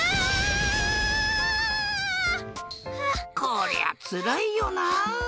こりゃつらいよな。